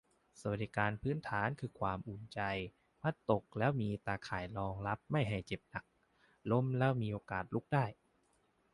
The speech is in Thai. สวัสดิการพื้นฐานคือความอุ่นใจ พลัดตกแล้วมีตาข่ายรองรับให้ไม่เจ็บหนัก ล้มแล้วมีโอกาสลุกได้